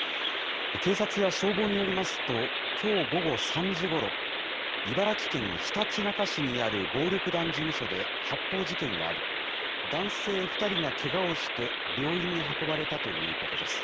警察や消防によりますと、きょう午後３時ごろ、茨城県ひたちなか市にある暴力団事務所で発砲事件があり、男性２人がけがをして、病院に運ばれたということです。